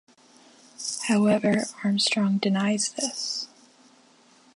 However, Armstrong denies this.